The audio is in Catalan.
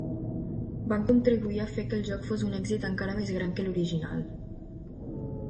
Van contribuir a fer que el joc fos un èxit encara més gran que l'original.